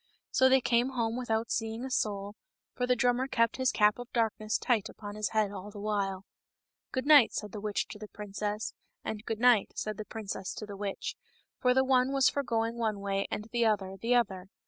So they came home without seeing a soul, for the drummer kept his cap of darkness tight upon his head all the while. " Good night," said the witch to the princess, and " Good night " said the princess to the witch, and the one was for going one way and the other the other.